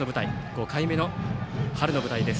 ５回目の春の舞台です